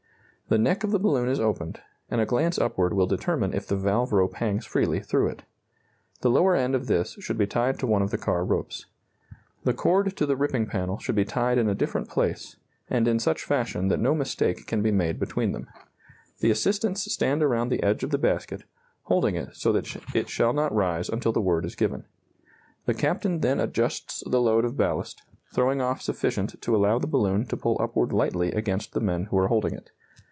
The neck of the balloon is opened, and a glance upward will determine if the valve rope hangs freely through it. The lower end of this should be tied to one of the car ropes. The cord to the ripping panel should be tied in a different place, and in such fashion that no mistake can be made between them. The assistants stand around the edge of the basket, holding it so that it shall not rise until the word is given. The captain then adjusts the load of ballast, throwing off sufficient to allow the balloon to pull upward lightly against the men who are holding it.